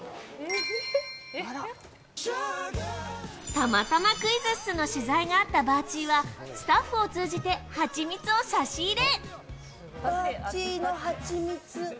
たまたまクイズッスの取材があったバーチーはスタッフを通じてハチミツを差し入れ。